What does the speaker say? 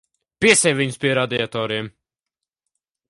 Piesien viņus pie radiatoriem.